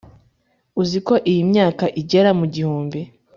uziko iyi myanya igera mu gihumbi